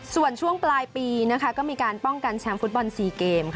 ส่วนช่วงปลายปีก็มีการป้องกันแชมป์ฟุตบอล๔เกม